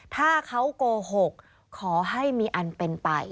ถ้าเขาโกหกขอให้มีอันเป็นไป